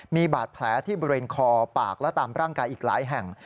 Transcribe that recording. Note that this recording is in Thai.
มีบาดแผลที่บริเวณคอปากและตามร่างกายอีกหลายแห่ง